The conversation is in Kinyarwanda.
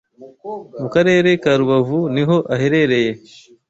mu Karere ka Rubavu niho aherereye